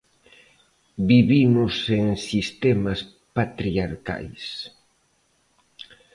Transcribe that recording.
Vivimos en sistemas patriarcais.